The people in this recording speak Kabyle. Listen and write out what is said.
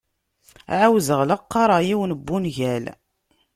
Ɛawzeɣ la qqareɣ yiwen n wungal.